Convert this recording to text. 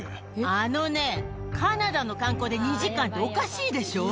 あのね、カナダの観光で２時間っておかしいでしょ。